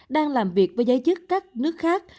đang làm việc với giới chức các nước khác